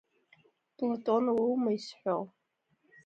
Платон уоума изҳәо?